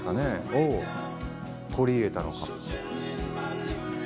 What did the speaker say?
を取り入れたのか。